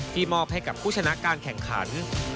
มอบให้กับผู้ชนะการแข่งขัน